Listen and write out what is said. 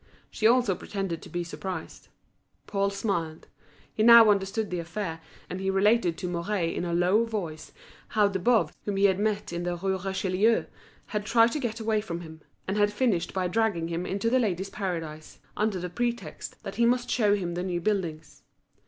She also pretended to be surprised. Paul smiled; he now understood the affair, and he related to Mouret in a low voice how De Boves, whom he had met in the Rue Richelieu, had tried to get away from him, and had finished by dragging him into The Ladies' Paradise, under the pretext that he must show him the new buildings.